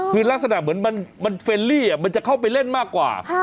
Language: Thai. คือลักษณะเหมือนมันเฟรลี่มันจะเข้าไปเล่นมากกว่า